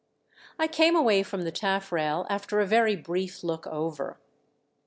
I came away from the taffrail after a very brief look over.